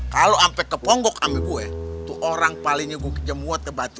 kalau sampai keponggok kami gue tuh orang palingnya gua kejemwat ke batu